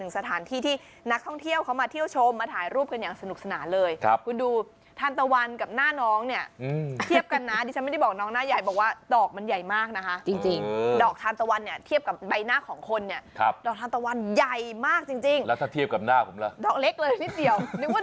สถานที่ที่นักท่องเที่ยวเขามาเที่ยวชมมาถ่ายรูปกันอย่างสนุกสนานเลยครับกูดูทานตะวันก่อนหน้าน้องเนี่ยเทียบกันมาเนี่ย